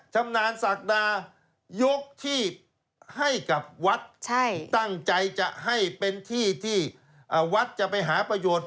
ชำนาญศักดายกที่ให้กับวัดตั้งใจจะให้เป็นที่ที่วัดจะไปหาประโยชน์